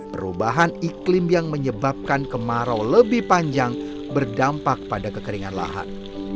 perubahan iklim yang menyebabkan kemarau lebih panjang berdampak pada kekeringan lahan